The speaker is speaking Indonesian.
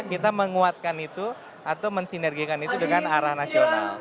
kita menguatkan itu atau mensinergikan itu dengan arah nasional